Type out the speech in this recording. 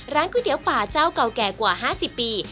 ก๋วยเตี๋ยวป่าเจ้าเก่าแก่กว่า๕๐ปี